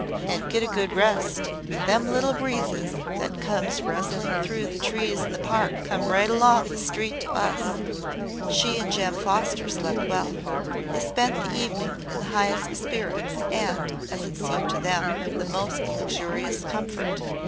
"And get a good rest. Them little breezes that comes rustling through the trees in the Park comes right along the street to us." She and Jem Foster slept well. They spent the evening in the highest spirits and as it seemed to them the most luxurious comfort.